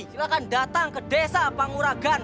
silahkan datang ke desa panguragan